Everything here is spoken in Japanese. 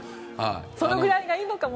そのぐらいがいいのかも？